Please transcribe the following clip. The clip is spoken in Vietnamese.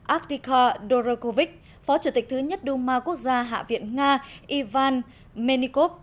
artika dorokovic phó chủ tịch thứ nhất đu ma quốc gia hạ viện nga ivan menikov